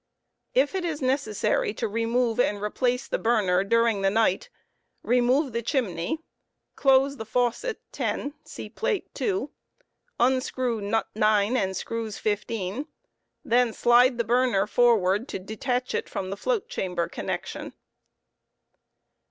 Jf it is necessary to remove and Replace the burner during the night remove the chimney, close the faucet 10 (see Plate 2) j unscrew nut 9 and screws 15; then slide the burner forward to detach it from the float chamber connection.